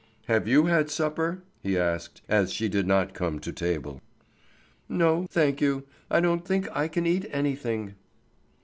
"Have you had supper?" he asked, as she did not come to table. "No, thank you," she said; "I don't think I can eat anything."